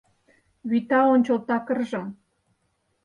Вӱта ончыл такыржым